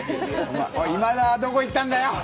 今田はどこに行ったんだよ。